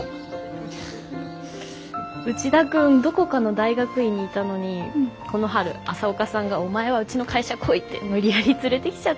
内田君どこかの大学院にいたのにこの春朝岡さんがお前はうちの会社来いって無理やり連れてきちゃったんです。